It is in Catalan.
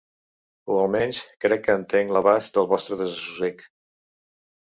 O almenys crec que entenc l'abast del vostre desassossec.